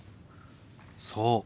そう。